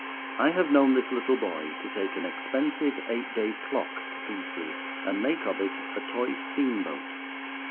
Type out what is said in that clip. I have known this little boy to take an expensive eight day clock to pieces, and make of it a toy steamboat.